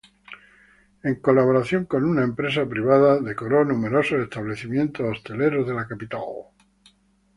En colaboración con una empresa privada, decoró numerosos establecimientos hosteleros de la capital.